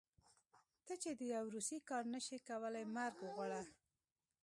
ته چې د يو روسي کار نشې کولی مرګ وغواړه.